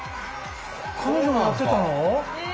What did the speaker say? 彼女もやってたの⁉え！